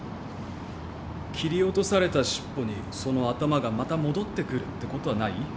切り落とされた尻尾にその頭がまた戻ってくるってことはない？